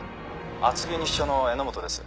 厚木西署の榎本です。